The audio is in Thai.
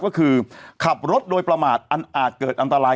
ก็คือขับรถโดยประมาทอันอาจเกิดอันตราย